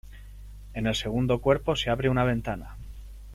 En el segundo cuerpo se abre una ventana.